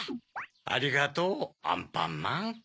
ありがとうアンパンマン。